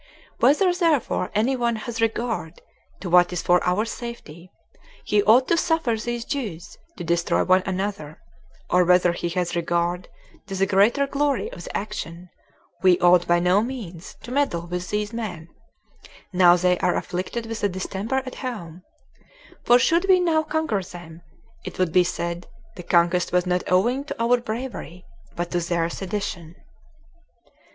Whether therefore any one hath regard to what is for our safety, he ought to suffer these Jews to destroy one another; or whether he hath regard to the greater glory of the action, we ought by no means to meddle with those men, now they are afflicted with a distemper at home; for should we now conquer them, it would be said the conquest was not owing to our bravery, but to their sedition."